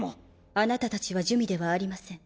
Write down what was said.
あなたたちは珠魅ではありません。